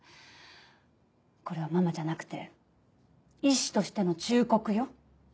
これはママじゃなくて医師としての忠告よ。